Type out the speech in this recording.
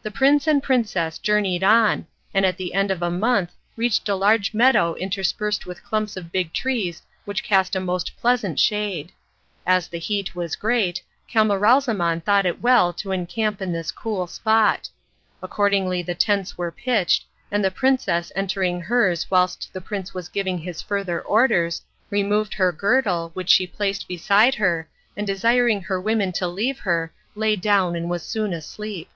The prince and princess journeyed on, and at the end of a month reached a huge meadow interspersed with clumps of big trees which cast a most pleasant shade. As the heat was great, Camaralzaman thought it well to encamp in this cool spot. Accordingly the tents were pitched, and the princess entering hers whilst the prince was giving his further orders, removed her girdle, which she placed beside her, and desiring her women to leave her, lay down and was soon asleep.